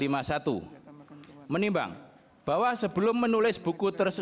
menimbang bahwa sebelum menulis buku tersebut